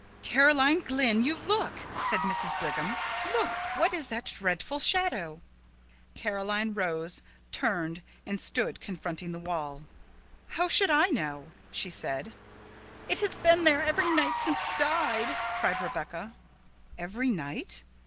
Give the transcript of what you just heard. "Caroline Glynn, you look!" said Mrs. Brigham. "Look! What is that dreadful shadow?" Caroline rose, turned, and stood confronting the wall. "How should I know?" she said. "It has been there every night since he died!" cried Rebecca. "Every night?"